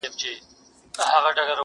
قېمتي جامي په غاړه سر تر پایه وو سِنکار-